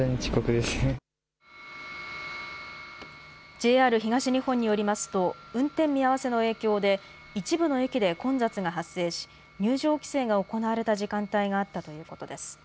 ＪＲ東日本によりますと、運転見合わせの影響で、一部の駅で混雑が発生し、入場規制が行われた時間帯があったということです。